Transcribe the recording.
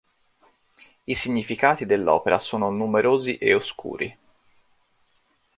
I significati dell'opera sono numerosi e oscuri.